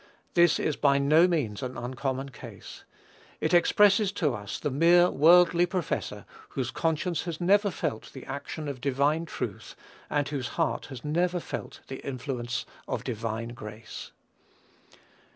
This is by no means an uncommon case. It expresses to us the mere worldly professor, whose conscience has never felt the action of divine truth, and whose heart has never felt the influence of divine grace.